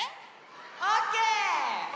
オッケー！